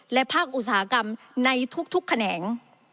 และภาคอุตสาหกรรมในทุกแขนง